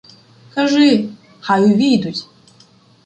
— Кажи, хай увійдуть.